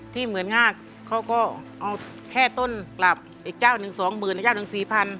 เหมือนงากเขาก็เอาแค่ต้นปรับอีกเจ้าหนึ่งสองหมื่นเจ้าหนึ่งสี่พัน